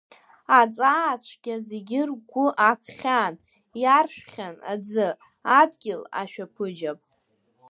Аҵаа цәгьа зегьы ргәы акхьан, иаршәхьан аӡы, адгьыл, ашәаԥыџьаԥ.